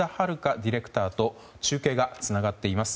ディレクターと中継がつながっています。